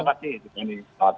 terima kasih tiffany